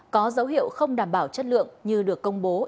có dấu hiệu không đảm bảo chất lượng như được công bố